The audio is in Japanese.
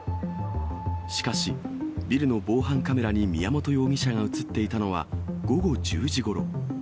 しかし、ビルの防犯カメラに宮本容疑者が写っていたのは午後１０時ごろ。